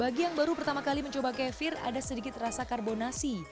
bagi yang baru pertama kali mencoba kefir ada sedikit rasa karbonasi